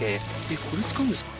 これ使うんですか？